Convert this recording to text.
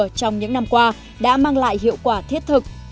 các doanh nghiệp nhỏ và vừa đã mang lại hiệu quả thiết thực